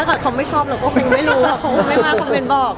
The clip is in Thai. แต่เขาไม่ชอบเราก็คงไม่รู้หรอกเขาคงไม่ว่าคอมเมนต์บอก